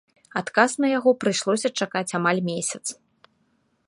Адказ на яго прыйшлося чакаць амаль месяц.